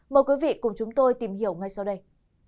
mời quý vị cùng chúng tôi tìm hiểu ngay sau đây